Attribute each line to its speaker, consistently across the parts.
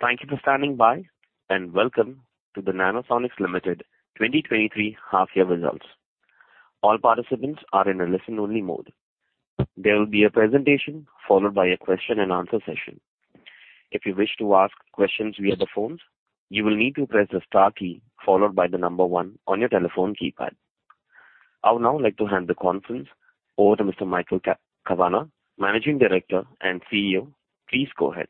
Speaker 1: Thank you for standing by, welcome to the Nanosonics Limited 2023 half year results. All participants are in a listen-only mode. There will be a presentation followed by a question and answer session. If you wish to ask questions via the phones, you will need to press the star key followed by one on your telephone keypad. I would now like to hand the conference over to Mr. Michael Kavanagh, Managing Director and CEO. Please go ahead.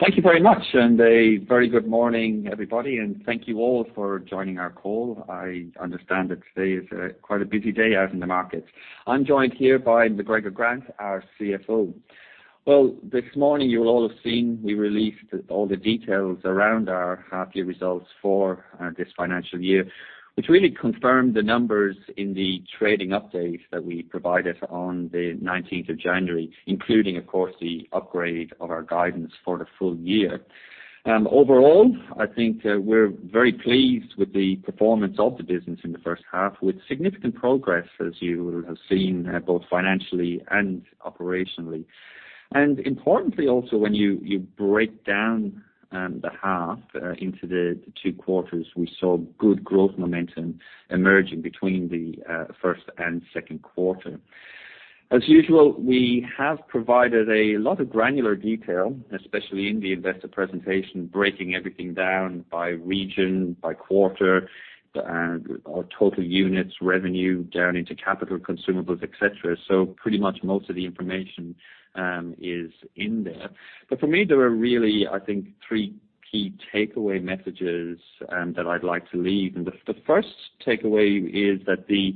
Speaker 2: Thank you very much and a very good morning, everybody, and thank you all for joining our call. I understand that today is quite a busy day out in the market. I'm joined here by McGregor Grant, our CFO. This morning you will all have seen, we released all the details around our half year results for this financial year, which really confirmed the numbers in the trading update that we provided on the 19th of January, including, of course, the upgrade of our guidance for the full year. Overall, I think, we're very pleased with the performance of the business in the first half, with significant progress, as you will have seen, both financially and operationally. Importantly also, when you break down the half into the two quarters, we saw good growth momentum emerging between the first and second quarter. As usual, we have provided a lot of granular detail, especially in the investor presentation, breaking everything down by region, by quarter, our total units, revenue, down into capital/consumables, et cetera. Pretty much most of the information is in there. For me, there are really, I think, three key takeaway messages that I'd like to leave. The first takeaway is that the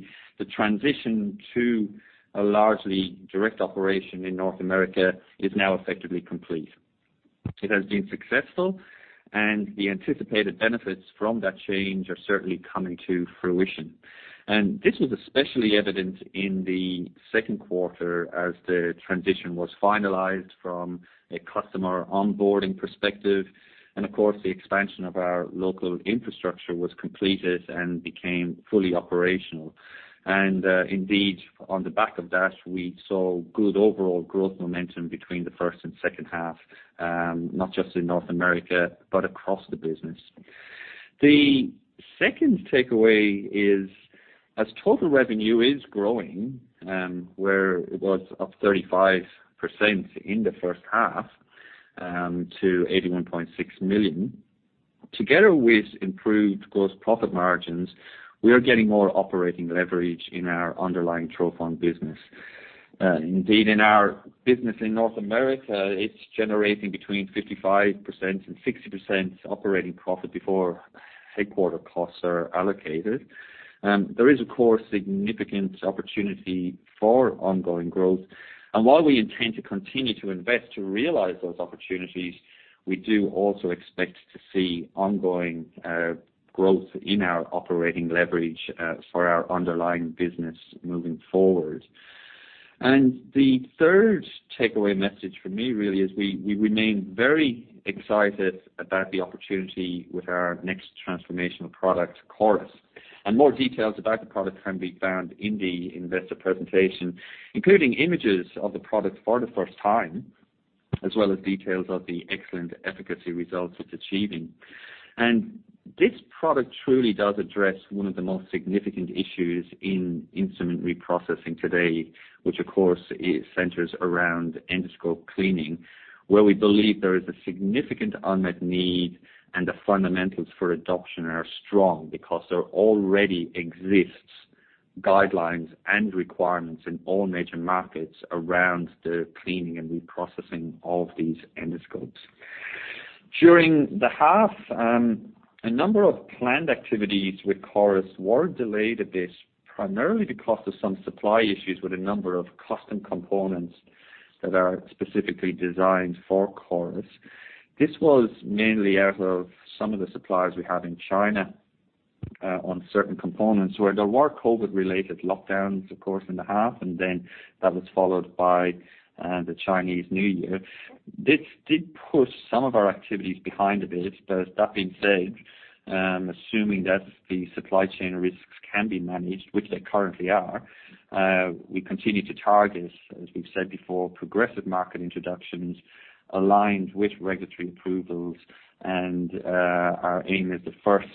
Speaker 2: transition to a largely direct operation in North America is now effectively complete. It has been successful, and the anticipated benefits from that change are certainly coming to fruition. This was especially evident in the second quarter as the transition was finalized from a customer onboarding perspective. Of course, the expansion of our local infrastructure was completed and became fully operational. Indeed, on the back of that, we saw good overall growth momentum between the first and second half, not just in North America, but across the business. The second takeaway is as total revenue is growing, where it was up 35% in the first half, to 81.6 million. Together with improved gross profit margins, we are getting more operating leverage in our underlying trophon business. Indeed, in our business in North America, it's generating between 55% and 60% operating profit before headquarter costs are allocated. There is of course, significant opportunity for ongoing growth. While we intend to continue to invest to realize those opportunities, we do also expect to see ongoing growth in our operating leverage for our underlying business moving forward. The third takeaway message for me really is we remain very excited about the opportunity with our next transformational product, CORIS. More details about the product can be found in the investor presentation, including images of the product for the first time, as well as details of the excellent efficacy results it's achieving. This product truly does address one of the most significant issues in instrument reprocessing today, which of course, it centers around endoscope cleaning, where we believe there is a significant unmet need and the fundamentals for adoption are strong because there already exists guidelines and requirements in all major markets around the cleaning and reprocessing of these endoscopes. During the half, a number of planned activities with CORIS were delayed a bit, primarily because of some supply issues with a number of custom components that are specifically designed for CORIS. This was mainly out of some of the suppliers we have in China, on certain components, where there were COVID-related lockdowns, of course, in the half, and then that was followed by the Chinese New Year. This did push some of our activities behind a bit. That being said, assuming that the supply chain risks can be managed, which they currently are, we continue to target, as we've said before, progressive market introductions aligned with regulatory approvals. Our aim is the first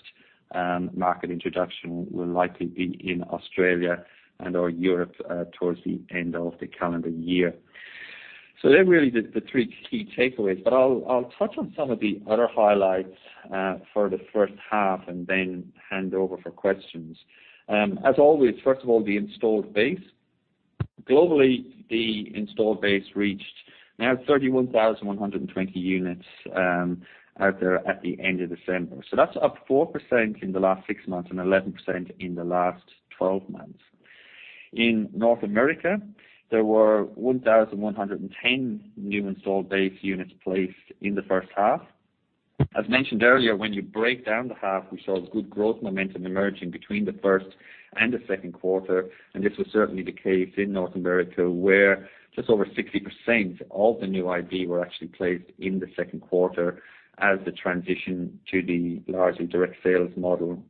Speaker 2: market introduction will likely be in Australia and/or Europe towards the end of the calendar year. They're really the three key takeaways. I'll touch on some of the other highlights for the first half and then hand over for questions. As always, first of all, the installed base. Globally, the installed base reached now 31,120 units out there at the end of December. That's up 4% in the last six months and 11% in the last 12 months. In North America, there were 1,110 new installed base units placed in the first half. As mentioned earlier, when you break down the half, we saw good growth momentum emerging between the first and the second quarter. This was certainly the case in North America, where just over 60% of the new IB were actually placed in the second quarter as the transition to the largely direct sales model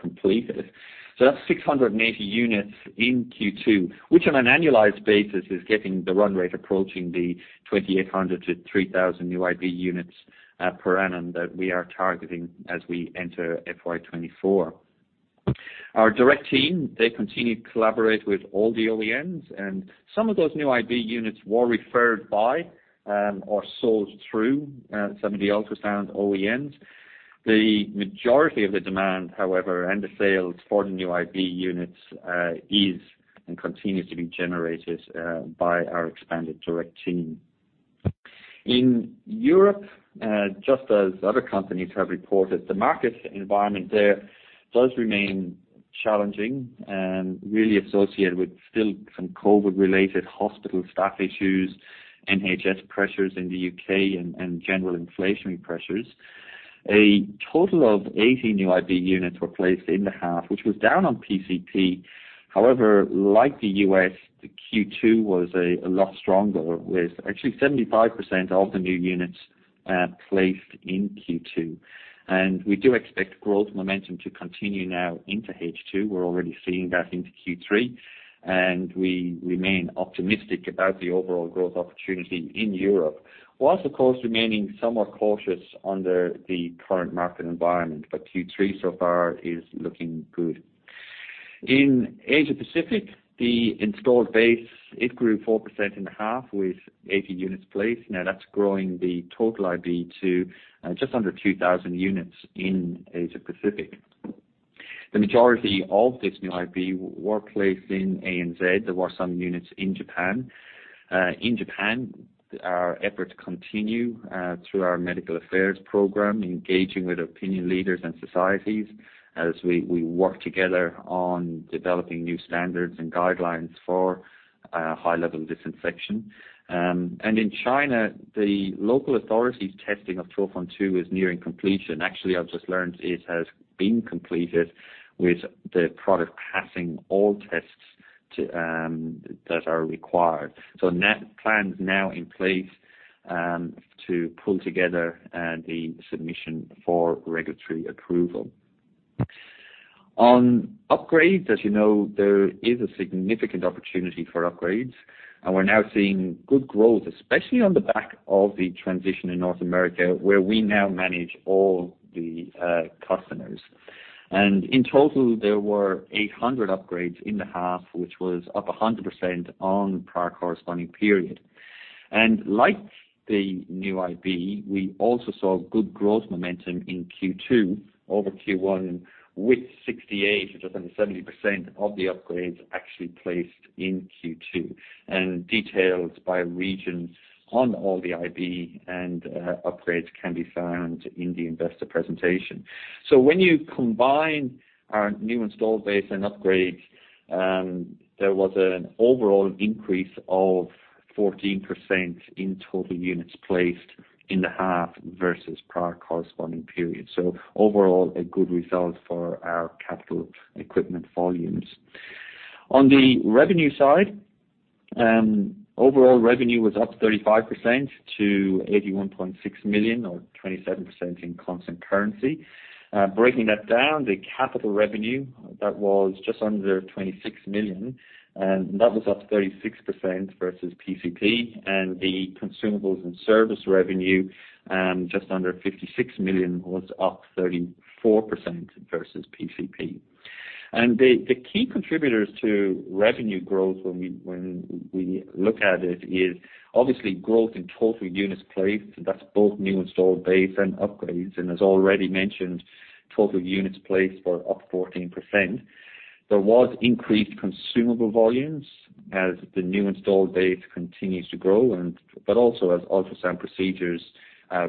Speaker 2: completed. That's 680 units in Q2, which on an annualized basis is getting the run rate approaching the 2,800-3,000 new IB units per annum that we are targeting as we enter FY24. Our direct team, they continue to collaborate with all the OEMs, and some of those new IB units were referred by, or sold through, some of the ultrasound OEMs. The majority of the demand, however, and the sales for the new IB units, is and continues to be generated by our expanded direct team. In Europe, just as other companies have reported, the market environment there does remain challenging and really associated with still some COVID-related hospital staff issues, NHS pressures in the U.K. and general inflationary pressures. A total of 80 new IB units were placed in the half, which was down on PCP. Like the U.S., the Q2 was a lot stronger, with actually 75% of the new units placed in Q2. We do expect growth momentum to continue now into H2. We're already seeing that into Q3, and we remain optimistic about the overall growth opportunity in Europe, whilst of course remaining somewhat cautious under the current market environment. Q3 so far is looking good. In Asia Pacific, the installed base, it grew 4% in the half with 80 units placed. That's growing the total IB to just under 2,000 units in Asia Pacific. The majority of these new IB were placed in ANZ. There were some units in Japan. In Japan, our efforts continue through our medical affairs program, engaging with opinion leaders and societies as we work together on developing new standards and guidelines for high-level disinfection. In China, the local authority's testing of trophon2 is nearing completion. Actually, I've just learned it has been completed with the product passing all tests that are required. Net plans now in place to pull together the submission for regulatory approval. On upgrades, as you know, there is a significant opportunity for upgrades, and we're now seeing good growth, especially on the back of the transition in North America, where we now manage all the customers. In total, there were 800 upgrades in the half, which was up 100% on prior corresponding period. Like the new IB, we also saw good growth momentum in Q2 over Q1, with 68, which is 70% of the upgrades actually placed in Q2. Details by region on all the IB and upgrades can be found in the investor presentation. When you combine our new installed base and upgrades, there was an overall increase of 14% in total units placed in the half versus prior corresponding period. Overall, a good result for our Capital equipment volumes. On the revenue side, overall revenue was up 35% to 81.6 million or 27% in constant currency. Breaking that down, the Capital revenue, that was just under 26 million, and that was up 36% versus PCP. The Consumables and Service revenue, just under 56 million, was up 34% versus PCP. The key contributors to revenue growth when we look at it is obviously growth in total units placed, that's both new installed base and upgrades. As already mentioned, total units placed were up 14%. There was increased consumable volumes as the new installed base continues to grow but also as ultrasound procedures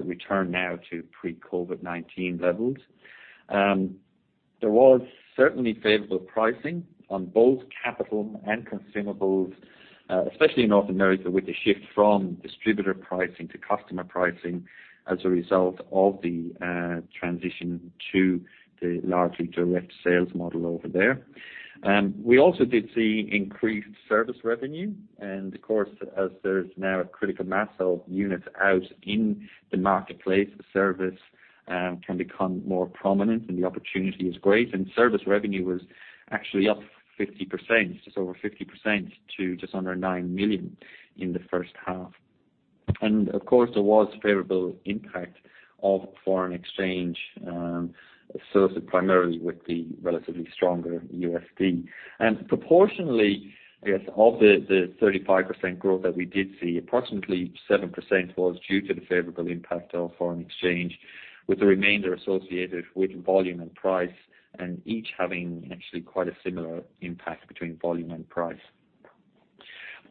Speaker 2: return now to pre-COVID-19 levels. There was certainly favorable pricing on both Capital and Consumables, especially in North America, with the shift from distributor pricing to customer pricing as a result of the transition to the largely direct sales model over there. We also did see increased service revenue and of course, as there is now a critical mass of units out in the marketplace, the service can become more prominent and the opportunity is great. Service revenue was actually up 50%, just over 50% to just under 9 million in the first half. Of course, there was favorable impact of foreign exchange associated primarily with the relatively stronger USD. Proportionally, I guess of the 35% growth that we did see, approximately 7% was due to the favorable impact of foreign exchange, with the remainder associated with volume and price, and each having actually quite a similar impact between volume and price.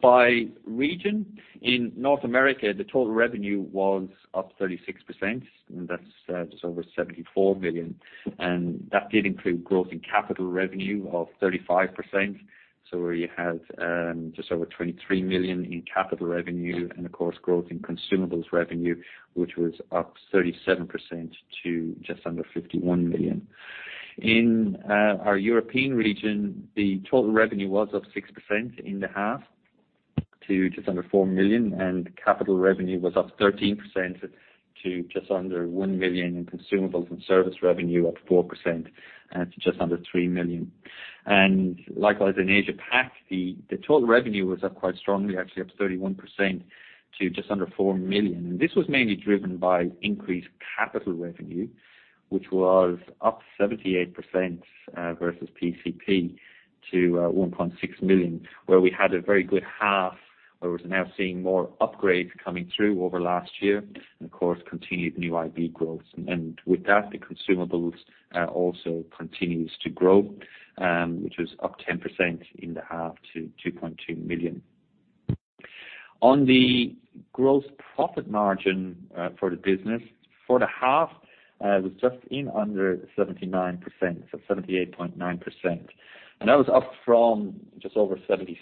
Speaker 2: By region, in North America, the total revenue was up 36%. That's just over 74 million. That did include growth in Capital revenue of 35%. Where you had just over 23 million in Capital revenue and of course, growth in Consumables revenue, which was up 37% to just under 51 million. In our European region, the total revenue was up 6% in the half to just under 4 million, Capital revenue was up 13% to just under 1 million, Consumables and service revenue up 4% to just under 3 million. Likewise, in Asia-Pacific, the total revenue was up quite strongly, actually up 31% to just under 4 million. This was mainly driven by increased Capital revenue, which was up 78% versus PCP to 1.6 million, where we had a very good half. We're now seeing more upgrades coming through over last year and of course, continued new IB growth. With that, the Consumables also continues to grow, which is up 10% in the half to 2.2 million. On the gross profit margin for the business, for the half, was just in under 79%, so 78.9%. That was up from just over 76%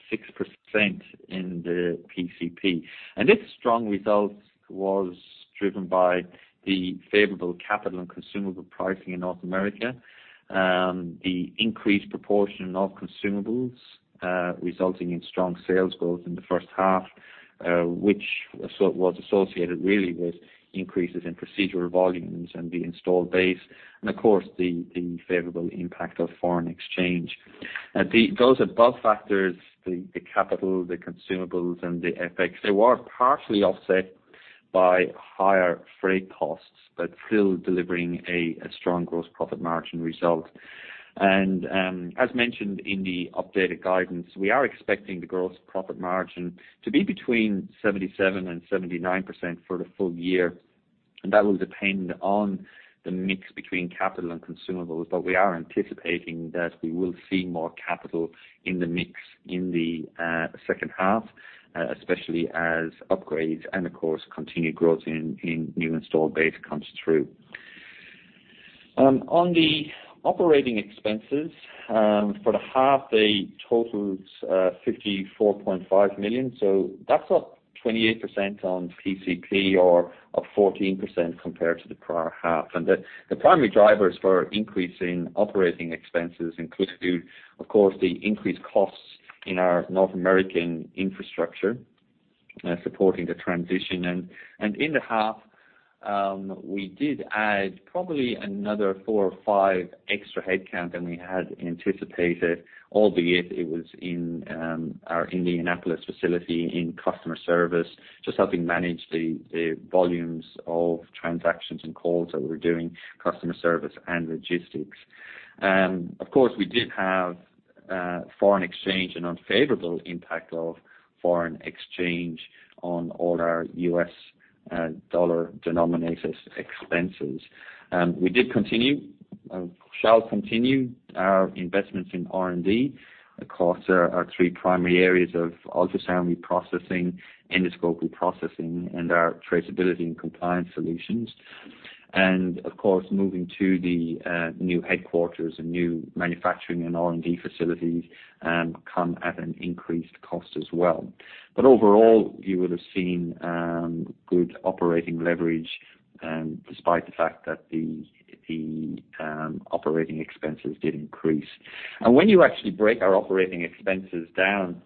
Speaker 2: in the PCP. This strong result was driven by the favorable Capital and Consumables pricing in North America, the increased proportion of Consumables, resulting in strong sales growth in the first half, which was associated really with increases in procedural volumes and the installed base, and of course, the favorable impact of foreign exchange. Those above factors, the Capital, the Consumables, and the FX, they were partially offset by higher freight costs, but still delivering a strong gross profit margin result. As mentioned in the updated guidance, we are expecting the gross profit margin to be between 77% and 79% for the full year, and that will depend on the mix between Capital and Consumables. We are anticipating that we will see more capital in the mix in the second half, especially as upgrades and of course, continued growth in new installed base comes through. On the operating expenses, for the half, they totals 54.5 million. That's up 28% on PCP or up 14% compared to the prior half. The primary drivers for increase in operating expenses include, of course, the increased costs in our North American infrastructure, supporting the transition. In the half, we did add probably another four or five extra headcount than we had anticipated, albeit it was in our Indianapolis facility in customer service, just helping manage the volumes of transactions and calls that we were doing, customer service and logistics. Of course, we did have foreign exchange and unfavorable impact of foreign exchange on all our U.S. dollar-denominated expenses. We did continue, shall continue our investments in R&D. Of course, our three primary areas of ultrasound reprocessing, endoscope reprocessing, and our traceability and compliance solutions. Of course, moving to the new headquarters and new manufacturing and R&D facilities come at an increased cost as well. Overall, you would have seen good operating leverage, despite the fact that the operating expenses did increase. When you actually break our operating expenses down,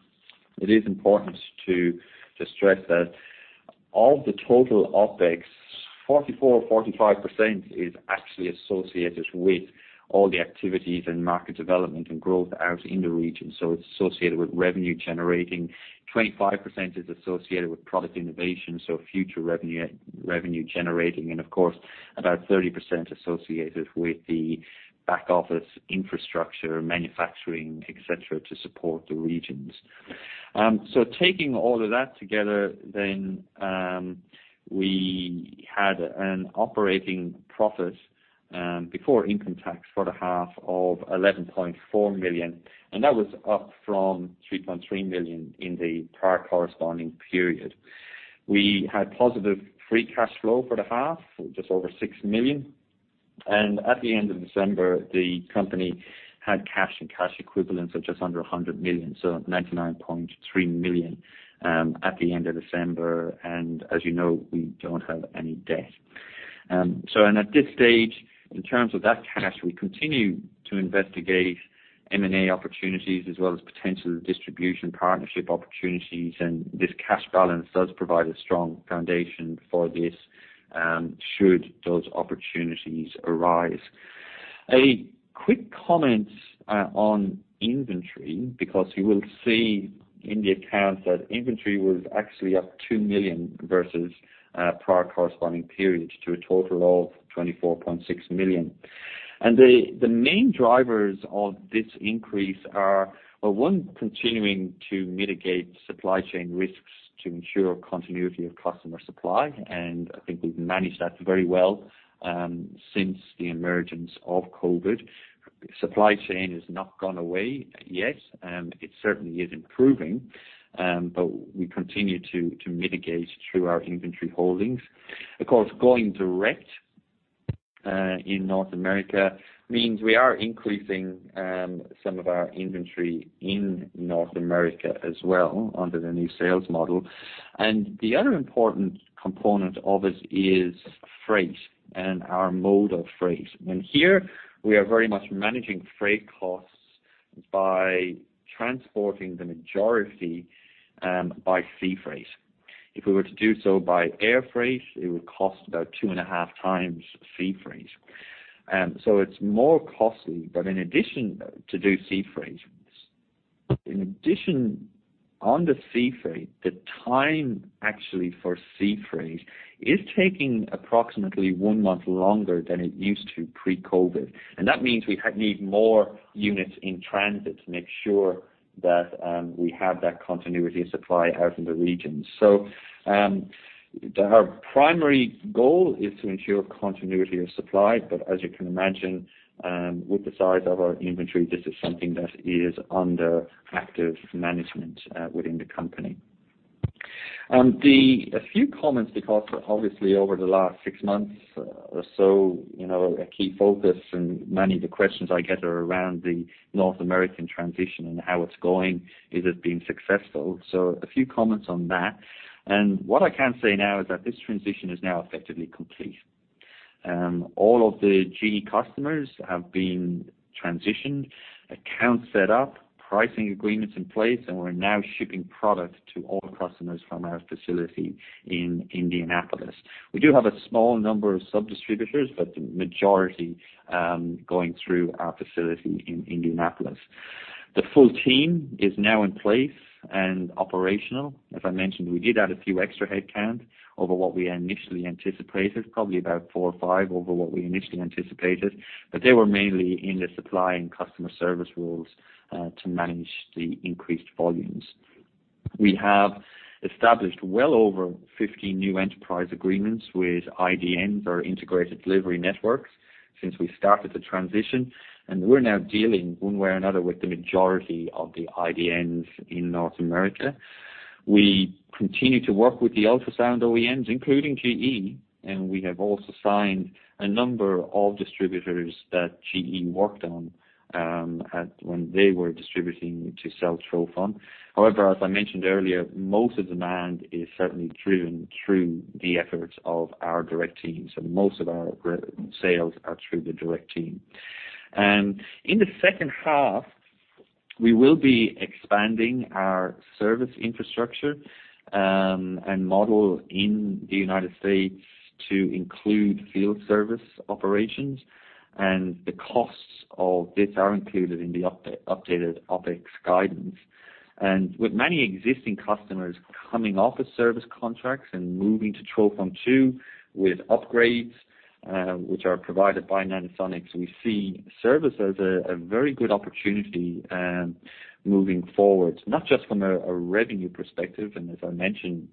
Speaker 2: it is important to stress that of the total OpEx, 44%-45% is actually associated with all the activities and market development and growth out in the region. It's associated with revenue generating. 25% is associated with product innovation, so future revenue generating. Of course, about 30% associated with the back office infrastructure, manufacturing, et cetera, to support the regions. Taking all of that together, then, we had an operating profit before income tax for the half of 11.4 million, and that was up from 3.3 million in the prior corresponding period. We had positive free cash flow for the half, just over 6 million. At the end of December, the company had cash and cash equivalents of just under 100 million, so 99.3 million at the end of December. As you know, we don't have any debt. At this stage, in terms of that cash, we continue to investigate M&A opportunities as well as potential distribution partnership opportunities. This cash balance does provide a strong foundation for this, should those opportunities arise. A quick comment on inventory, because you will see in the accounts that inventory was actually up 2 million versus prior corresponding periods to a total of 24.6 million. The main drivers of this increase are, one, continuing to mitigate supply chain risks to ensure continuity of customer supply. I think we've managed that very well since the emergence of COVID. Supply chain has not gone away yet, it certainly is improving, but we continue to mitigate through our inventory holdings. Of course, going direct in North America means we are increasing some of our inventory in North America as well under the new sales model. The other important component of it is freight and our mode of freight. Here we are very much managing freight costs by transporting the majority by sea freight. If we were to do so by air freight, it would cost about 2.5x sea freight. It's more costly. In addition, on the sea freight, the time actually for sea freight is taking approximately one month longer than it used to pre-COVID. That means we need more units in transit to make sure that we have that continuity of supply out in the regions. Our primary goal is to ensure continuity of supply. As you can imagine, with the size of our inventory, this is something that is under active management within the company. A few comments because obviously over the last six months or so, you know, a key focus and many of the questions I get are around the North American transition and how it's going, is it being successful? A few comments on that. What I can say now is that this transition is now effectively complete. All of the GE customers have been transitioned, accounts set up, pricing agreements in place, and we're now shipping product to all customers from our facility in Indianapolis. We do have a small number of sub-distributors. The majority going through our facility in Indianapolis. The full team is now in place and operational. As I mentioned, we did add a few extra headcount over what we initially anticipated, probably about 4 or 5 over what we initially anticipated. They were mainly in the supply and customer service roles to manage the increased volumes. We have established well over 50 new enterprise agreements with IDNs, or integrated delivery networks, since we started the transition, and we're now dealing one way or another with the majority of the IDNs in North America. We continue to work with the ultrasound OEMs, including GE, and we have also signed a number of distributors that GE worked on when they were distributing to sell trophon. However, as I mentioned earlier, most of demand is certainly driven through the efforts of our direct teams, and most of our re- sales are through the direct team. In the second half, we will be expanding our service infrastructure, and model in the United States to include field service operations, and the costs of this are included in the updated OpEx guidance. With many existing customers coming off of service contracts and moving to trophon2 with upgrades, which are provided by Nanosonics, we see service as a very good opportunity moving forward, not just from a revenue perspective, and as I mentioned,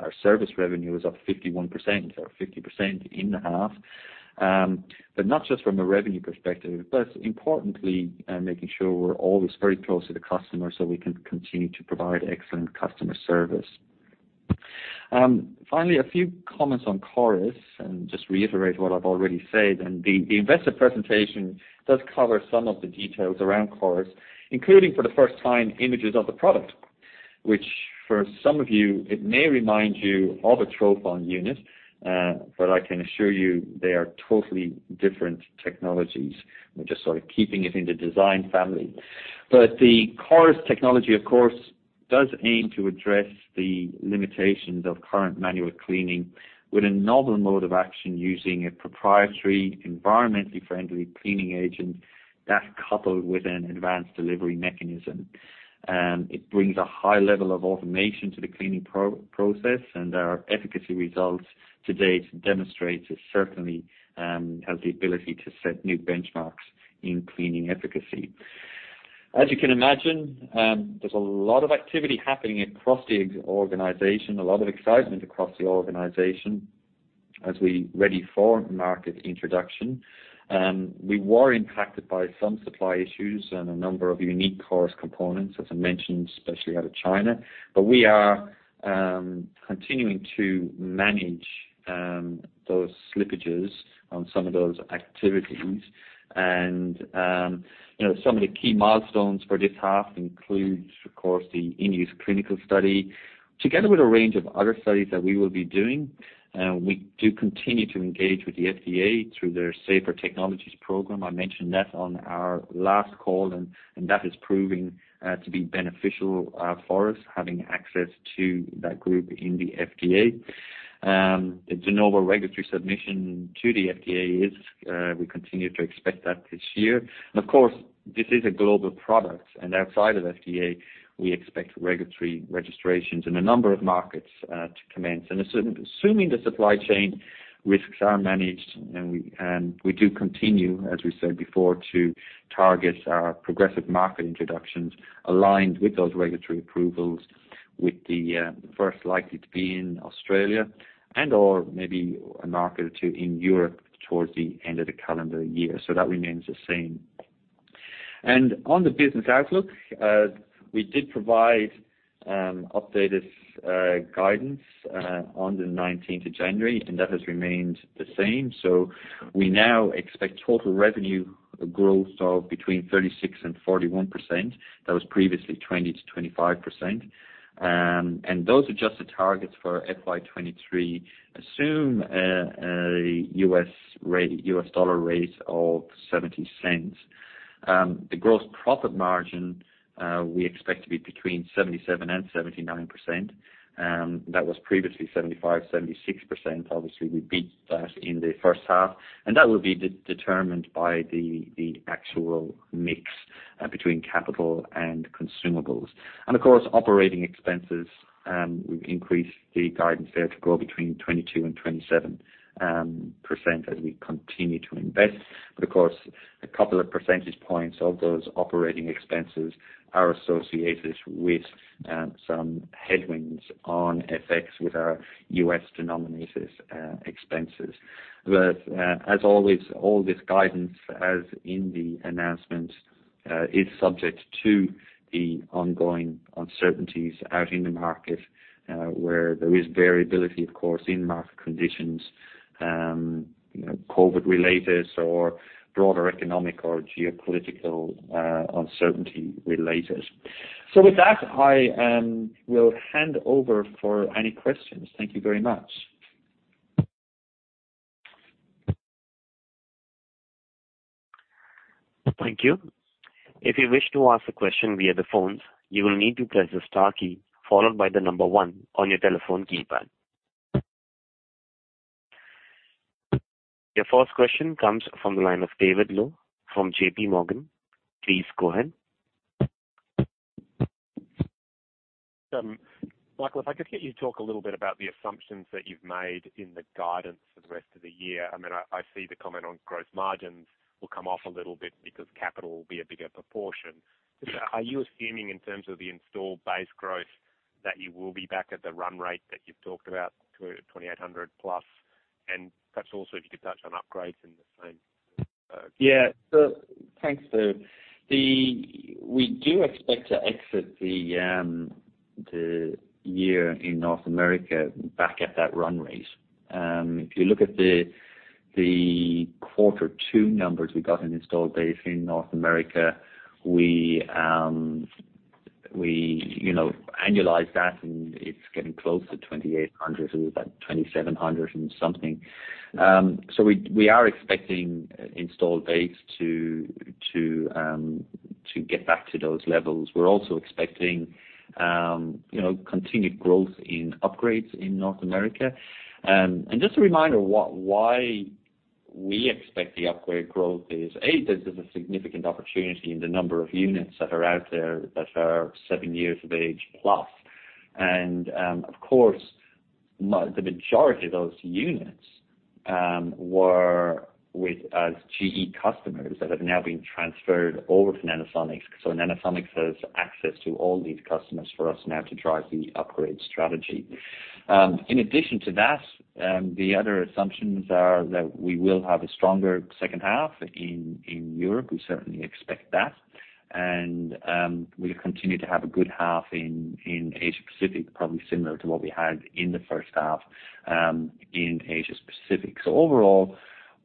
Speaker 2: our service revenue is up 51% or 50% in the half. Not just from a revenue perspective, but importantly, making sure we're always very close to the customer so we can continue to provide excellent customer service. Finally, a few comments on CORIS, and just reiterate what I've already said, and the investor presentation does cover some of the details around CORIS, including for the first time images of the product, which for some of you, it may remind you of a trophon unit, but I can assure you they are totally different technologies. We're just sort of keeping it in the design family. The CORIS technology, of course, does aim to address the limitations of current manual cleaning with a novel mode of action using a proprietary, environmentally friendly cleaning agent that coupled with an advanced delivery mechanism. It brings a high level of automation to the cleaning process, and our efficacy results to date demonstrate it certainly has the ability to set new benchmarks in cleaning efficacy. As you can imagine, there's a lot of activity happening across the organization, a lot of excitement across the organization as we ready for market introduction. We were impacted by some supply issues and a number of unique CORIS components, as I mentioned, especially out of China. We are continuing to manage those slippages on some of those activities. You know, some of the key milestones for this half includes, of course, the in-use clinical study, together with a range of other studies that we will be doing. We do continue to engage with the FDA through their Safer Technologies Program. I mentioned that on our last call, and that is proving to be beneficial for us, having access to that group in the FDA. The De Novo regulatory submission to the FDA is, we continue to expect that this year. Of course, this is a global product, and outside of FDA, we expect regulatory registrations in a number of markets to commence. Assuming the supply chain risks are managed and we do continue, as we said before, to target our progressive market introductions aligned with those regulatory approvals, with the first likely to be in Australia and/or maybe a market or two in Europe towards the end of the calendar year. That remains the same. On the business outlook, we did provide updated guidance on the 19th of January, and that has remained the same. We now expect total revenue growth of between 36% and 41%. That was previously 20%-25%. Those adjusted targets for FY 2023 assume a U.S. dollar rate of $0.70. The gross profit margin, we expect to be between 77% and 79%. That was previously 75%-76%. Obviously, we beat that in the first half, and that will be determined by the actual mix between Capital and Consumables. Of course, operating expenses, we've increased the guidance there to grow between 22% and 27% as we continue to invest. Of course, 2 percentage points of those operating expenses are associated with some headwinds on FX with our U.S. denominations expenses. As always, all this guidance, as in the announcement, is subject to the ongoing uncertainties out in the market, where there is variability, of course, in market conditions, you know, COVID-related or broader economic or geopolitical uncertainty related. With that, I will hand over for any questions. Thank you very much.
Speaker 1: Thank you. If you wish to ask a question via the phones, you will need to press the star key followed by the number one on your telephone keypad. Your first question comes from the line of David Low from JPMorgan. Please go ahead.
Speaker 3: Michael, if I could get you to talk a little bit about the assumptions that you've made in the guidance for the rest of the year. I mean, I see the comment on gross margins will come off a little bit because Capital will be a bigger proportion. Are you assuming in terms of the installed base growth, that you will be back at the run rate that you've talked about, 2,800+? Perhaps also if you could touch on upgrades in the same.
Speaker 2: Thanks, Dave. We do expect to exit the year in North America back at that run rate. If you look at the quarter two numbers we got in installed base in North America, we, you know, annualize that, and it's getting close to 2,800. It was, like, 2,700 and something. We are expecting installed base to get back to those levels. We're also expecting, you know, continued growth in upgrades in North America. Just a reminder why we expect the upgrade growth is, A, there's a significant opportunity in the number of units that are out there that are 7+ years of age. Of course, the majority of those units were with us GE customers that have now been transferred over to Nanosonics. Nanosonics has access to all these customers for us now to drive the upgrade strategy. In addition to that, the other assumptions are that we will have a stronger second half in Europe. We certainly expect that. We'll continue to have a good half in Asia-Pacific, probably similar to what we had in the first half in Asia-Pacific. Overall,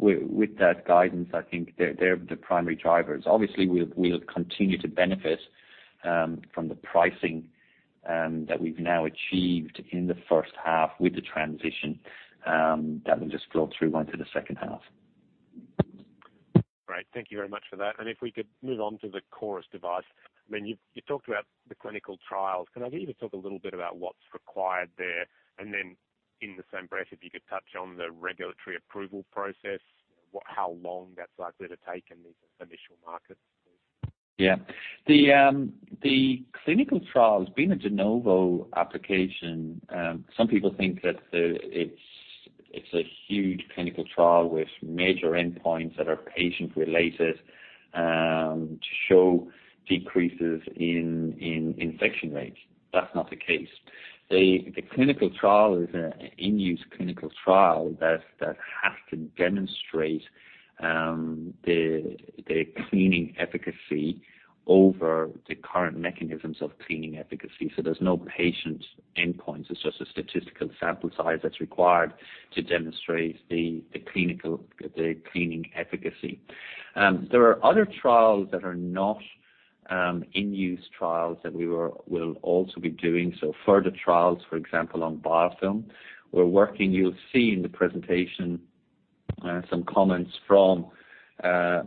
Speaker 2: with that guidance, I think they're the primary drivers. Obviously, we'll continue to benefit from the pricing that we've now achieved in the first half with the transition that will just flow through onto the second half.
Speaker 3: Great. Thank you very much for that. If we could move on to the CORIS device. I mean, you talked about the clinical trials. Can I get you to talk a little bit about what's required there? In the same breath, if you could touch on the regulatory approval process, how long that's likely to take in these initial markets?
Speaker 2: Yeah. The clinical trial, being a De Novo application, some people think that it's a huge clinical trial with major endpoints that are patient related to show decreases in infection rates. That's not the case. The clinical trial is an in-use clinical trial that has to demonstrate the cleaning efficacy over the current mechanisms of cleaning efficacy. There's no patient endpoints. It's just a statistical sample size that's required to demonstrate the cleaning efficacy. There are other trials that are not in-use trials that we will also be doing. Further trials, for example, on biofilm. You'll see in the presentation some comments from a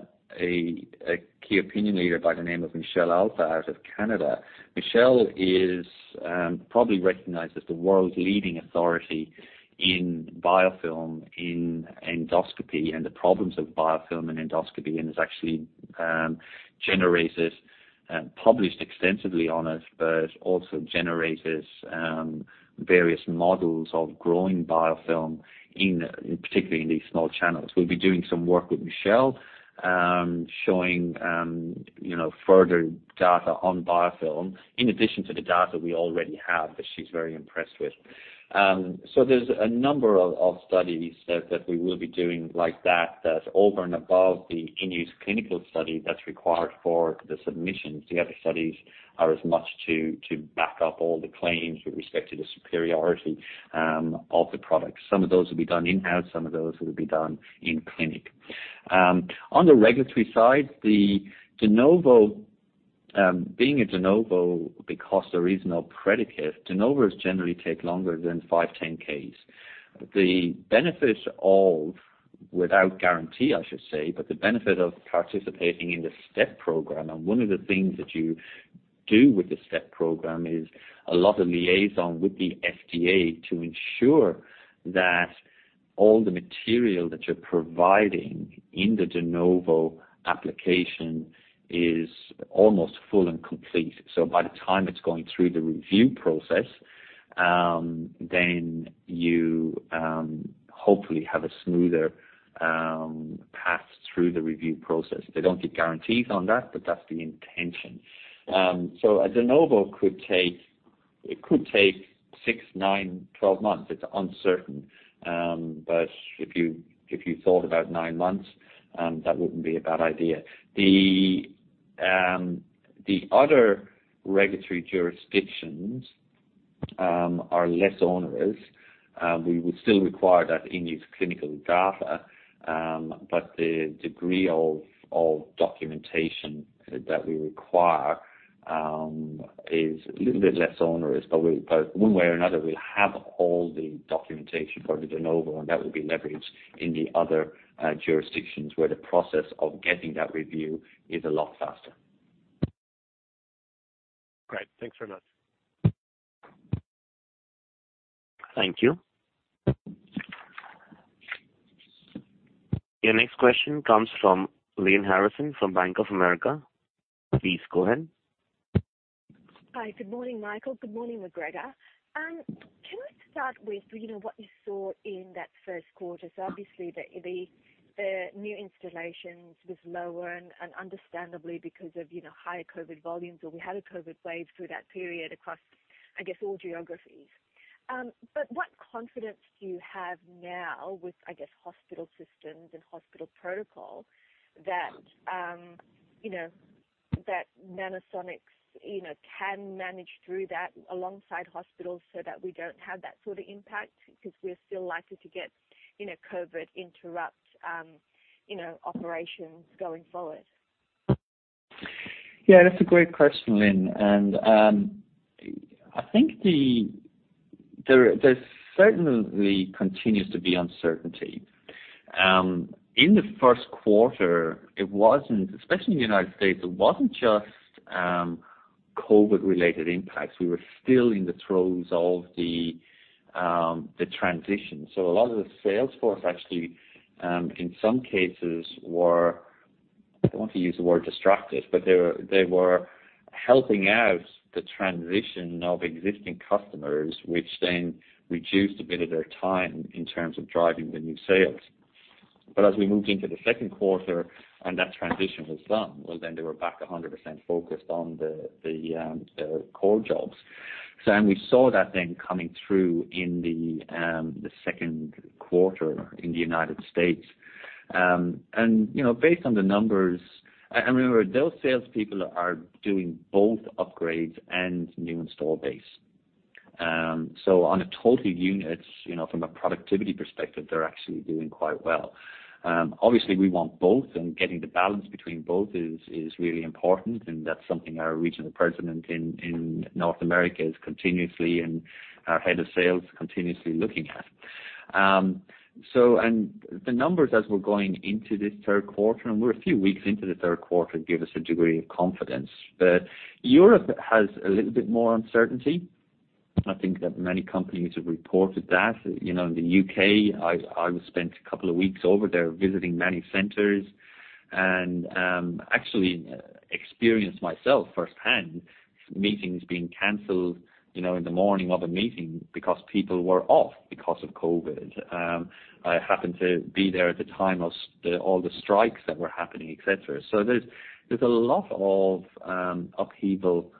Speaker 2: key opinion leader by the name of Michelle Alfa out of Canada. Michele is probably recognized as the world's leading authority in biofilm in endoscopy and the problems of biofilm in endoscopy, and has actually generated published extensively on it, but also generated various models of growing biofilm in, particularly in these small channels. We'll be doing some work with Michele, showing, you know, further data on biofilm in addition to the data we already have that she's very impressed with. So there's a number of studies that we will be doing like that's over and above the in-use clinical study that's required for the submissions. The other studies are as much to back up all the claims with respect to the superiority of the product. Some of those will be done in-house, some of those will be done in clinic. On the regulatory side, the De Novo, being a De Novo, because there is no predicate, De Novos generally take longer than 510(k)s. The benefit of, without guarantee, I should say, but the benefit of participating in the STeP program, and one of the things that you do with the STeP program is a lot of liaison with the FDA to ensure that all the material that you're providing in the De Novo application is almost full and complete. By the time it's going through the review process, then you hopefully have a smoother path through the review process. They don't give guarantees on that, but that's the intention. A De Novo could take, it could take six, nine, 12 months. It's uncertain. If you, if you thought about nine months, that wouldn't be a bad idea. The other regulatory jurisdictions are less onerous. We would still require that in these clinical data, but the degree of documentation that we require is a little bit less onerous. One way or another, we'll have all the documentation for the De Novo, and that will be leveraged in the other jurisdictions where the process of getting that review is a lot faster. Great. Thanks very much.
Speaker 1: Thank you. Your next question comes from Lyanne Harrison from Bank of America. Please go ahead.
Speaker 4: Hi. Good morning, Michael. Good morning, McGregor. Can we start with, you know, what you saw in that first quarter? Obviously the, the new installations was lower and understandably because of, you know, higher COVID volumes or we had a COVID wave through that period across, I guess, all geographies. What confidence do you have now with, I guess, hospital systems and hospital protocol that, you know, that Nanosonics, you know, can manage through that alongside hospitals so that we don't have that sort of impact because we're still likely to get, you know, COVID interrupt, you know, operations going forward?
Speaker 2: Yeah, that's a great question, Lyanne. I think there certainly continues to be uncertainty. In the first quarter, it wasn't, especially in the United States, it wasn't just COVID-related impacts. We were still in the throes of the transition. A lot of the sales force actually, in some cases were, I don't want to use the word distracted, but they were helping out the transition of existing customers, which then reduced a bit of their time in terms of driving the new sales. As we moved into the second quarter and that transition was done, well, then they were back 100% focused on the core jobs. We saw that then coming through in the second quarter in the United States. You know, based on the numbers— Remember, those salespeople are doing both upgrades and new install base. On a total units, you know, from a productivity perspective, they're actually doing quite well. Obviously we want both, getting the balance between both is really important, and that's something our regional president in North America is continuously and our head of sales continuously looking at. The numbers as we're going into this third quarter, and we're a few weeks into the third quarter, give us a degree of confidence. Europe has a little bit more uncertainty. I think that many companies have reported that. You know, in the U.K., I spent two weeks over there visiting many centers and actually experienced myself firsthand meetings being canceled, you know, in the morning of a meeting because people were off because of COVID. I happened to be there at the time of the, all the strikes that were happening, et cetera. There's a lot of upheaval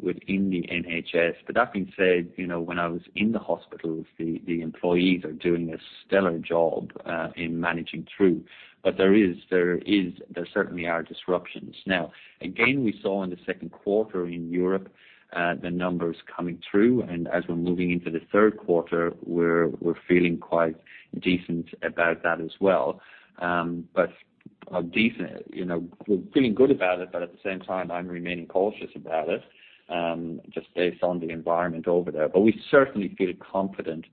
Speaker 2: within the NHS. That being said, you know, when I was in the hospitals, the employees are doing a stellar job in managing through. There certainly are disruptions. Now, again, we saw in the second quarter in Europe, the numbers coming through, and as we're moving into the third quarter, we're feeling quite decent about that as well. Decent, you know, we're feeling good about it, but at the same time, I'm remaining cautious about it, just based on the environment over there. We certainly feel confident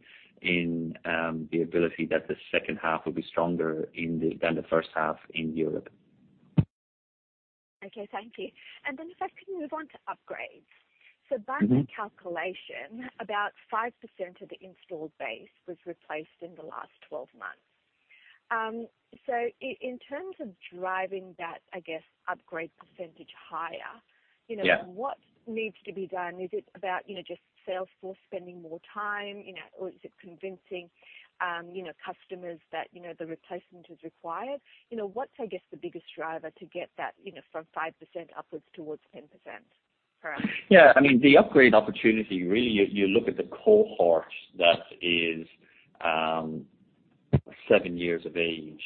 Speaker 2: in the ability that the second half will be stronger than the first half in Europe.
Speaker 4: Okay. Thank you. If I could move on to upgrades.
Speaker 2: Mm-hmm.
Speaker 4: by my calculation, about 5% of the installed base was replaced in the last 12 months. in terms of driving that, I guess, upgrade percentage higher—
Speaker 2: Yeah.
Speaker 4: You know, what needs to be done? Is it about, you know, just sales force spending more time, you know, or is it convincing, you know, customers that, you know, the replacement is required? You know, what's, I guess, the biggest driver to get that, you know, from 5% upwards towards 10%?
Speaker 2: Yeah. I mean, the upgrade opportunity, really you look at the cohort that is 7 years of age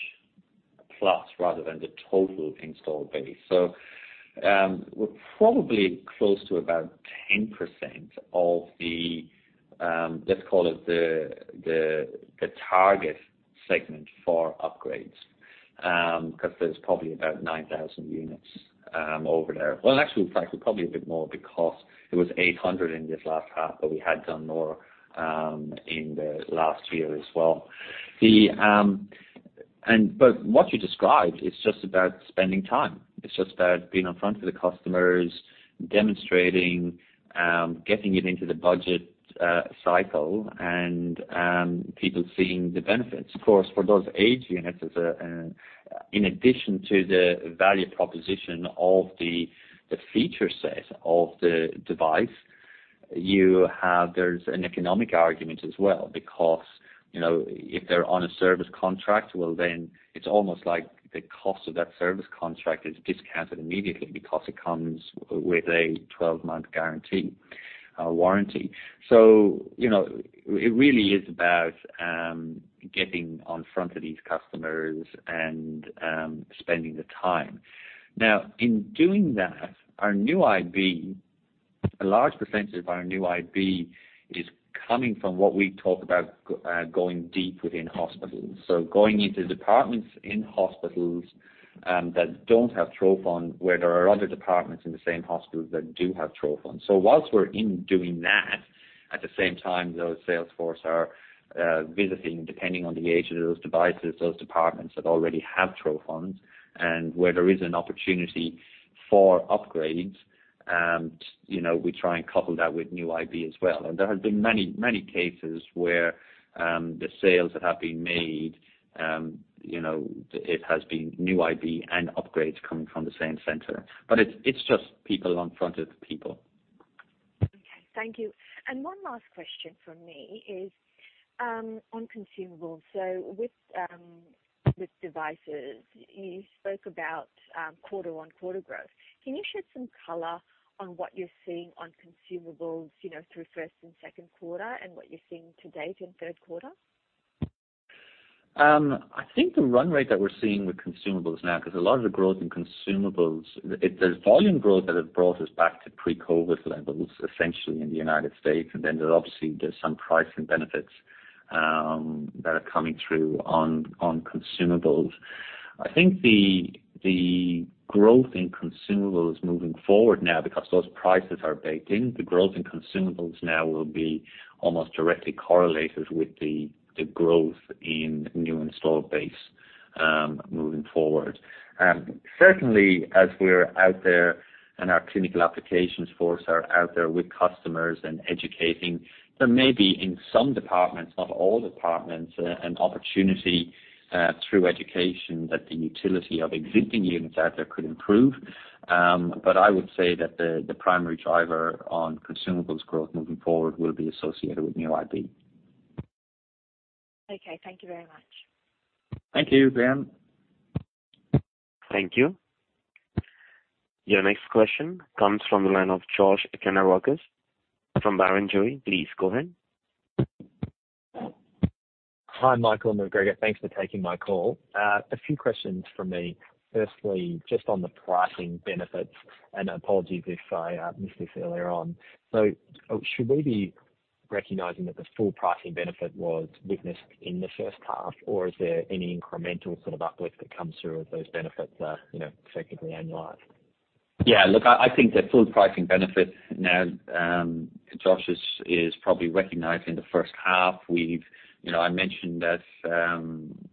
Speaker 2: plus rather than the total installed base. We're probably close to about 10% of the let's call it the target segment for upgrades, 'cause there's probably about 9,000 units over there. Well, actually in fact probably a bit more because it was 800 in this last half, but we had done more in the last year as well. What you described is just about spending time. It's just about being in front of the customers, demonstrating, getting it into the budget cycle and people seeing the benefits. For those age units as a, in addition to the value proposition of the feature set of the device, there's an economic argument as well, because, you know, if they're on a service contract, well, then it's almost like the cost of that service contract is discounted immediately because it comes with a 12-month guarantee, warranty. You know, it really is about getting on front of these customers and spending the time. In doing that, our new IB, a large percentage of our new IB is coming from what we talk about going deep within hospitals. Going into departments in hospitals that don't have trophon, where there are other departments in the same hospital that do have trophon. Whilst we're in doing that, at the same time, those sales force are visiting, depending on the age of those devices, those departments that already have trophons and where there is an opportunity for upgrades, you know, we try and couple that with new IB as well. There have been many, many cases where, the sales that have been made, you know, it has been new IB and upgrades coming from the same center. It's just people in front of the people.
Speaker 4: Okay. Thank you. One last question from me is, on Consumables. With devices, you spoke about quarter-on-quarter growth. Can you shed some color on what you're seeing on Consumables, you know, through first and second quarter and what you're seeing to date in third quarter?
Speaker 2: I think the run rate that we're seeing with Consumables now, 'cause a lot of the growth in Consumables, there's volume growth that have brought us back to pre-COVID levels, essentially in the United States. Then there's obviously, there's some pricing benefits that are coming through on Consumables. I think the growth in Consumables moving forward now, because those prices are baked in, the growth in Consumables now will be almost directly correlated with the growth in new installed base moving forward. Certainly as we're out there and our clinical applications force are out there with customers and educating, there may be in some departments, not all departments, an opportunity through education that the utility of existing units out there could improve. I would say that the primary driver on consumables growth moving forward will be associated with new IB.
Speaker 4: Okay. Thank you very much.
Speaker 2: Thank you, Lyanne.
Speaker 1: Thank you. Your next question comes from the line of Josh Kannourakis from Barrenjoey. Please go ahead.
Speaker 5: Hi, Michael and McGregor, thanks for taking my call. A few questions from me. Firstly, just on the pricing benefits, apologies if I missed this earlier on. Should we be recognizing that the full pricing benefit was witnessed in the first half, or is there any incremental sort of uplift that comes through if those benefits are, you know, effectively annualized?
Speaker 2: Yeah, look, I think the full pricing benefit now, Josh is probably recognized in the first half. We've, you know, I mentioned that,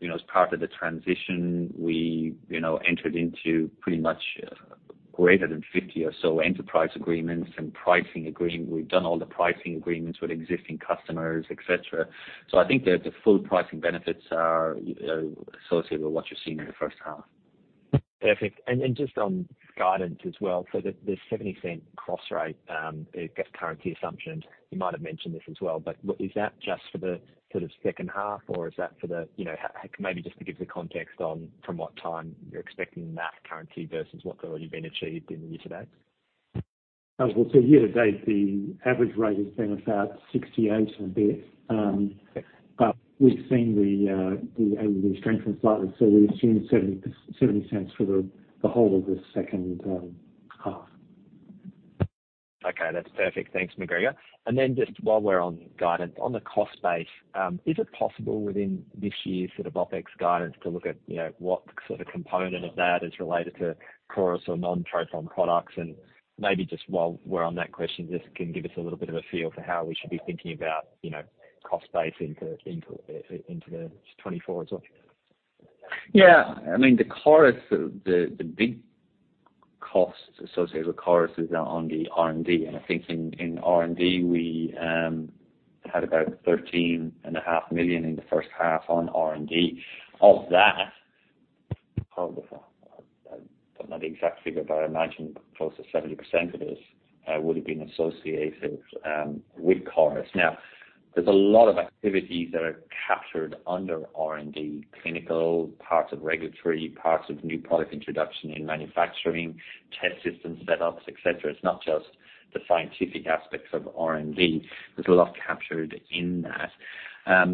Speaker 2: you know, as part of the transition, we, you know, entered into pretty much greater than 50 or so enterprise agreements and pricing agreement. We've done all the pricing agreements with existing customers, et cetera. I think that the full pricing benefits are associated with what you're seeing in the first half.
Speaker 5: Perfect. Just on guidance as well. The 0.70 cross rate against currency assumptions, you might have mentioned this as well, is that just for the sort of second half or is that for the, you know, maybe just to give the context on from what time you're expecting that currency versus what's already been achieved in year-to-date?
Speaker 6: Year-to-date, the average rate has been about 0.68 and a bit. We've seen the AUD strengthen slightly. We assume 0.70, 0.70 for the whole of the second half.
Speaker 5: Okay, that's perfect. Thanks, McGregor. Just while we're on guidance on the cost base, is it possible within this year's sort of OpEx guidance to look at, you know, what sort of component of that is related to CORIS or non-trophon products? Maybe just while we're on that question, just can give us a little bit of a feel for how we should be thinking about, you know, cost base into the 2024 as well.
Speaker 2: Yeah. I mean, the CORIS, the big costs associated with CORIS is on the R&D. I think in R&D, we had about 13.5 million in the first half on R&D. Of that, I don't know the exact figure, but I imagine close to 70% of it would have been associated with CORIS. Now, there's a lot of activities that are captured under R&D, clinical parts of regulatory, parts of new product introduction in manufacturing, test systems, setups, et cetera. It's not just the scientific aspects of R&D. There's a lot captured in that.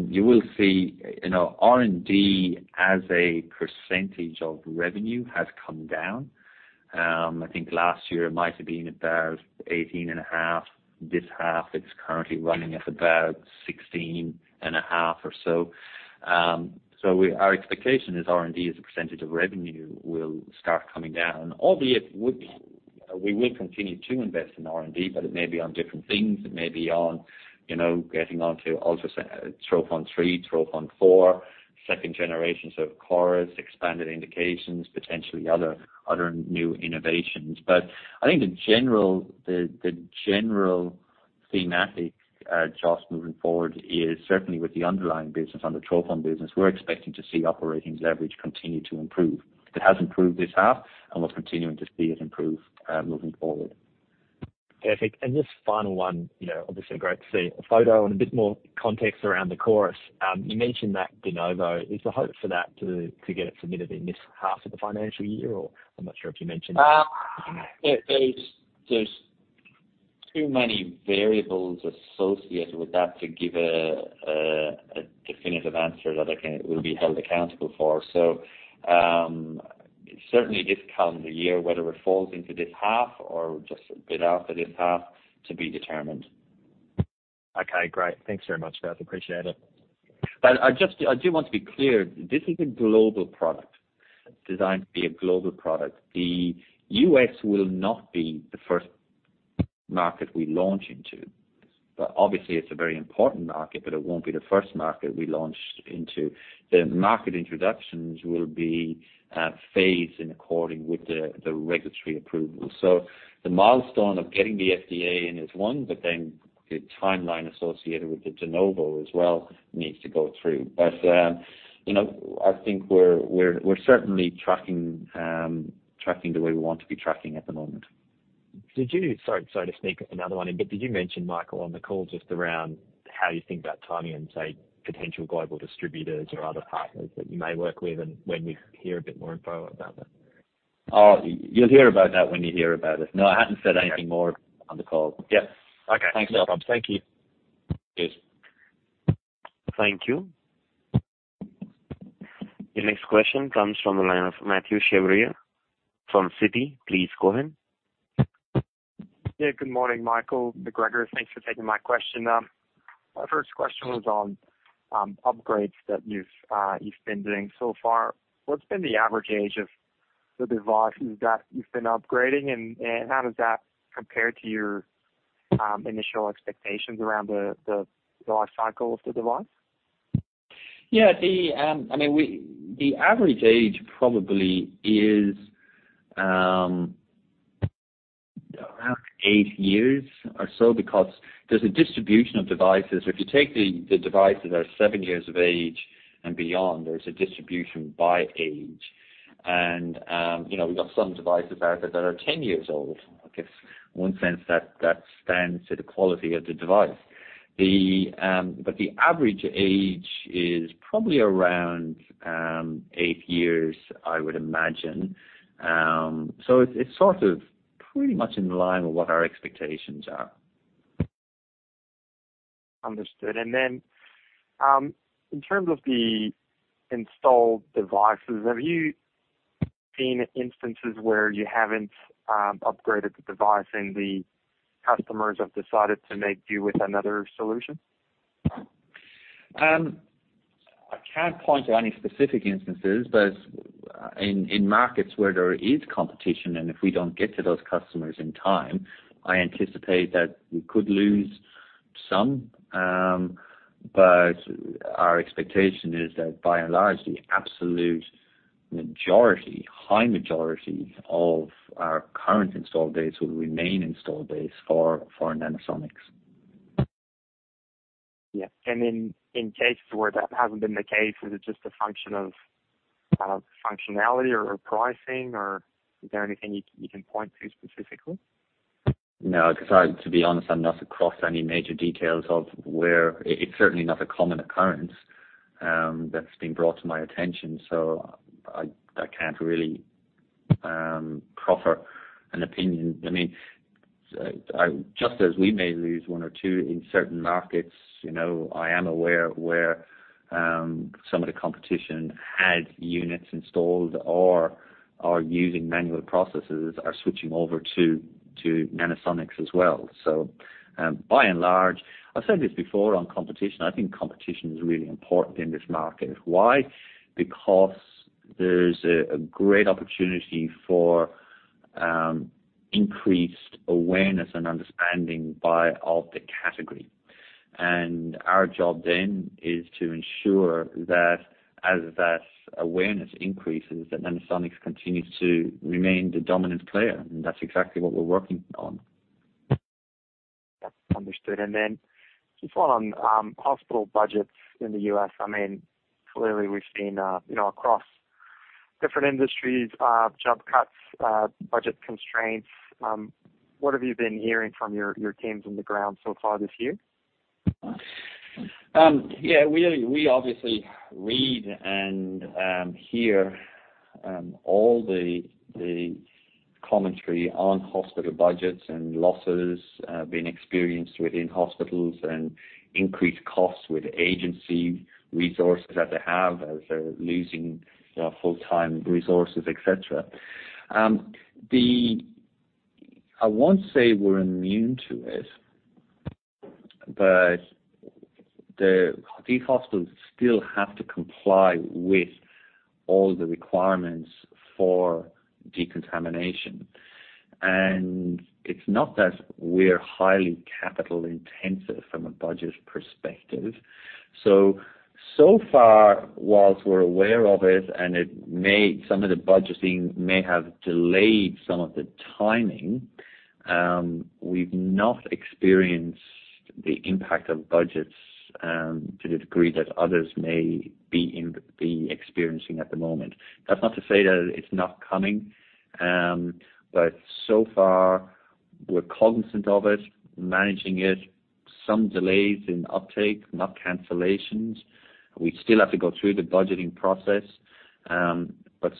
Speaker 2: You will see, you know, R&D as a percentage of revenue has come down. I think last year it might have been about 18.5%. This half, it's currently running at about 16.5% or so. Our expectation is R&D as a % of revenue will start coming down. We will continue to invest in R&D, but it may be on different things. It may be on, you know, getting on to trophon3, trophon4, second generations of CORIS, expanded indications, potentially other new innovations. I think the general, the general thematic, just moving forward is certainly with the underlying business on the trophon business, we're expecting to see operating leverage continue to improve. It has improved this half, and we're continuing to see it improve, moving forward.
Speaker 5: Perfect. Just final one, you know, obviously great to see a photo and a bit more context around the CORIS. You mentioned that De Novo. Is the hope for that to get it submitted in this half of the financial year, or I'm not sure if you mentioned?
Speaker 2: There's too many variables associated with that to give a definitive answer that we'll be held accountable for. Certainly this calendar year, whether it falls into this half or just a bit after this half to be determined.
Speaker 5: Okay, great. Thanks very much, guys. Appreciate it.
Speaker 2: I just, I do want to be clear. This is a global product. It's designed to be a global product. The U.S. will not be the first market we launch into. Obviously it's a very important market, but it won't be the first market we launch into. The market introductions will be phased in according with the regulatory approval. The milestone of getting the FDA in is one, the timeline associated with the De Novo as well needs to go through. You know, I think we're certainly tracking the way we want to be tracking at the moment.
Speaker 5: Sorry to sneak another one in. Did you mention, Michael, on the call just around how you think about timing and say, potential global distributors or other partners that you may work with and when we hear a bit more info about that?
Speaker 2: Oh, you'll hear about that when you hear about it. No, I hadn't said anything more on the call.
Speaker 5: Yeah. Okay. Thanks.
Speaker 2: No problem. Thank you. Cheers.
Speaker 1: Thank you. The next question comes from the line of Mathieu Chevrier from Citi. Please go ahead.
Speaker 7: Good morning, Michael, McGregor. Thanks for taking my question. My first question was on upgrades that you've been doing so far. What's been the average age of the devices that you've been upgrading? How does that compare to your initial expectations around the lifecycle of the device?
Speaker 2: Yeah, the, I mean, the average age probably is around eight years or so because there's a distribution of devices. If you take the devices that are seven years of age and beyond, there's a distribution by age. You know, we got some devices out there that are 10 years old. I guess one sense that stands to the quality of the device. The average age is probably around eight years, I would imagine. It's sort of pretty much in line with what our expectations are.
Speaker 7: Understood. In terms of the installed devices, have you seen instances where you haven't upgraded the device and the customers have decided to make do with another solution?
Speaker 2: I can't point to any specific instances, but in markets where there is competition and if we don't get to those customers in time, I anticipate that we could lose some. Our expectation is that by and large, the absolute majority, high majority of our current installed base will remain installed base for Nanosonics.
Speaker 7: Yeah. in cases where that hasn't been the case, is it just a function of functionality or pricing? Is there anything you can point to specifically?
Speaker 2: No, because to be honest, I've not crossed any major details of where. It's certainly not a common occurrence that's been brought to my attention, so I can't really proffer an opinion. I mean, just as we may lose one or two in certain markets, you know, I am aware where some of the competition had units installed or are using manual processes are switching over to Nanosonics as well. By and large—I've said this before on competition. I think competition is really important in this market. Why? Because there's a great opportunity for increased awareness and understanding by of the category. Our job then is to ensure that as that awareness increases, that Nanosonics continues to remain the dominant player, and that's exactly what we're working on.
Speaker 7: Understood. Just one on hospital budgets in the U.S. I mean, clearly, we've seen, you know, across different industries, job cuts, budget constraints. What have you been hearing from your teams on the ground so far this year?
Speaker 2: Yeah, we obviously read and hear all the commentary on hospital budgets and losses, being experienced within hospitals and increased costs with agency resources that they have as they're losing full-time resources, et cetera. I won't say we're immune to it. The hospitals still have to comply with all the requirements for decontamination. It's not that we're highly capital-intensive from a budget perspective. So far, whilst we're aware of it, and some of the budgeting may have delayed some of the timing, we've not experienced the impact of budgets to the degree that others may be experiencing at the moment. That's not to say that it's not coming, but so far, we're cognizant of it, managing it, some delays in uptake, not cancellations. We still have to go through the budgeting process.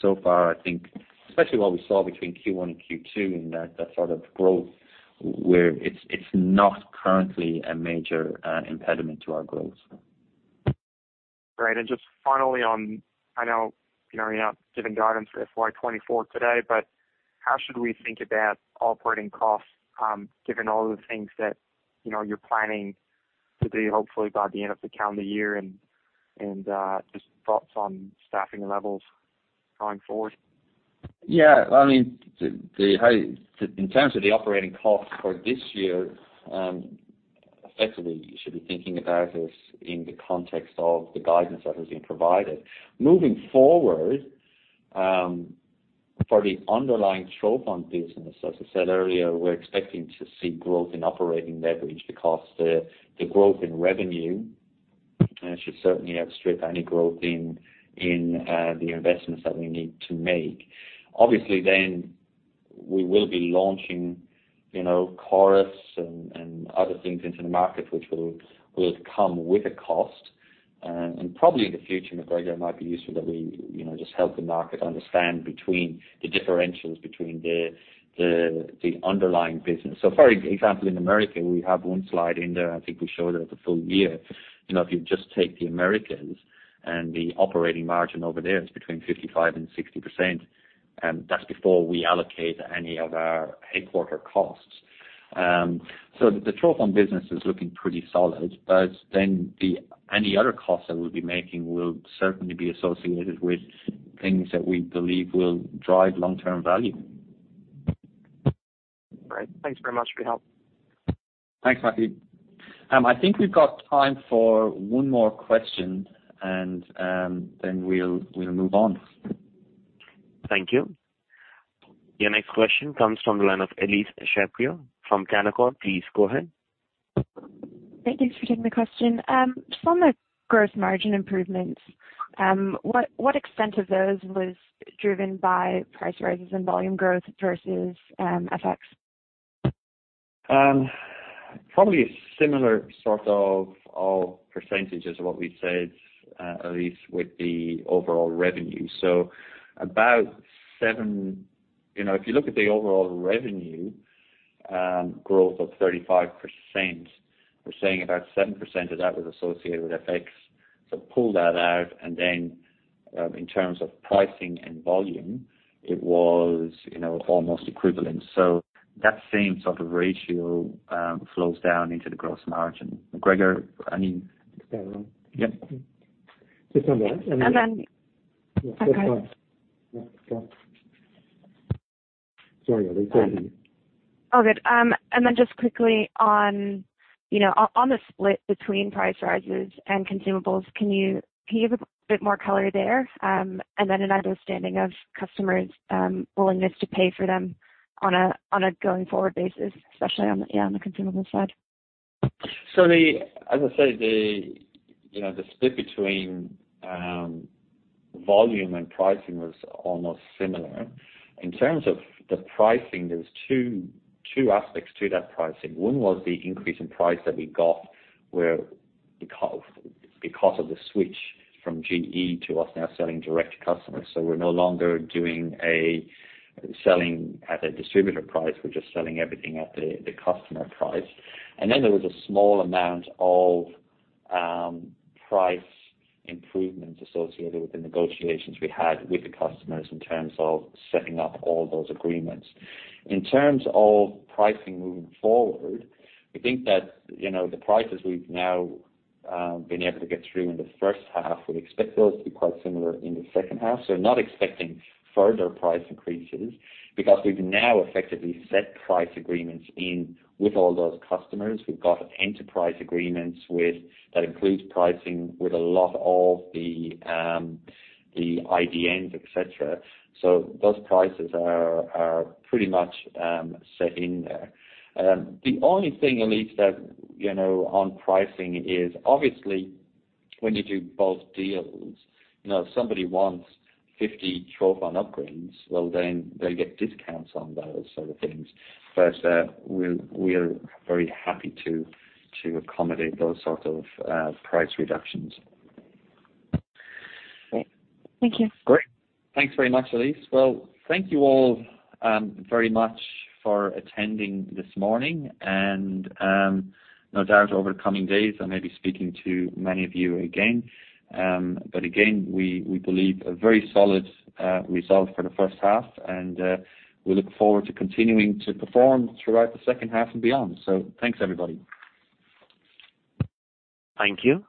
Speaker 2: So far, I think especially what we saw between Q1 and Q2 in that sort of growth where it's not currently a major impediment to our growth.
Speaker 7: Great. Just finally on—I know you're not giving guidance for FY 2024 today, but how should we think about operating costs, given all of the things that, you know, you're planning to do, hopefully by the end of the calendar year and just thoughts on staffing levels going forward?
Speaker 2: Yeah. I mean, in terms of the operating costs for this year, effectively, you should be thinking about it in the context of the guidance that has been provided. Moving forward, for the underlying trophon business, as I said earlier, we're expecting to see growth in operating leverage because the growth in revenue should certainly outstrip any growth in the investments that we need to make. Obviously, then we will be launching, you know, CORIS and other things into the market, which will come with a cost. Probably in the future, McGregor, it might be useful that we, you know, just help the market understand between the differentials between the underlying business. For example, in America, we have one slide in there. I think we show that at the full year. You know, if you just take the Americans and the operating margin over there is between 55% and 60%, and that's before we allocate any of our headquarter costs. The trophon business is looking pretty solid, any other costs that we'll be making will certainly be associated with things that we believe will drive long-term value.
Speaker 7: Great. Thanks very much for your help.
Speaker 2: Thanks, Mathieu. I think we've got time for one more question and, then we'll move on.
Speaker 1: Thank you. Your next question comes from the line of Elyse Shapiro from Canaccord. Please go ahead.
Speaker 8: Thank you for taking the question. From a gross margin improvements, what extent of those was driven by price rises and volume growth versus FX?
Speaker 2: Probably a similar sort of percentages of what we said, Elyse, with the overall revenue. You know, if you look at the overall revenue, growth of 35%, we're saying about 7% of that was associated with FX. Pull that out, and then, in terms of pricing and volume, it was, you know, almost equivalent. That same sort of ratio, flows down into the gross margin. McGregor, I mean—
Speaker 6: Is that right?
Speaker 2: Yeah.
Speaker 6: Just on that.
Speaker 8: Okay.
Speaker 6: Yeah, go on. Sorry, Elyse. Go on.
Speaker 8: All good. Then just quickly on, you know, on the split between price rises and consumables, can you give a bit more color there? Then an understanding of customers', willingness to pay for them on a going-forward basis, especially on, yeah, on the Consumables side.
Speaker 2: As I say, you know, the split between volume and pricing was almost similar. In terms of the pricing, there's two aspects to that pricing. One was the increase in price that we got where because of the switch from GE to us now selling direct to customers. We're no longer doing a selling at a distributor price, we're just selling everything at the customer price. There was a small amount of price improvements associated with the negotiations we had with the customers in terms of setting up all those agreements. In terms of pricing moving forward, we think that, you know, the prices we've now been able to get through in the first half, we expect those to be quite similar in the second half. Not expecting further price increases because we've now effectively set price agreements in with all those customers. We've got enterprise agreements with that includes pricing with a lot of the IDNs, et cetera. Those prices are pretty much set in there. The only thing, Elyse, that, you know, on pricing is obviously when you do both deals, you know, if somebody wants 50 trophon upgrades, well, then they get discounts on those sort of things. We're very happy to accommodate those sort of price reductions.
Speaker 8: Great. Thank you.
Speaker 2: Great. Thanks very much, Elyse. Well, thank you all very much for attending this morning. No doubt over the coming days, I may be speaking to many of you again. Again, we believe a very solid result for the first half, we look forward to continuing to perform throughout the second half and beyond. Thanks, everybody.
Speaker 1: Thank you.